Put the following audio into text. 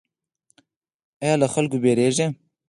ایا له خلکو ویریږئ؟